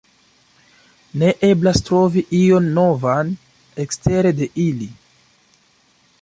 Ne eblas trovi ion novan ekstere de ili.